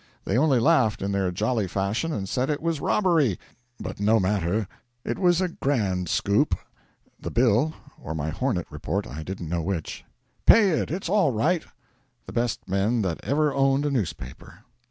They only laughed in their jolly fashion, and said it was robbery, but no matter; it was a grand 'scoop' (the bill or my 'Hornet' report, I didn't know which): 'Pay it. It's all right.' The best men that ever owned a newspaper.